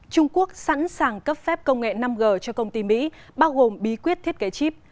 trung quốc sẵn sàng cấp phép công nghệ năm g cho công ty mỹ bao gồm bí quyết thiết kế chip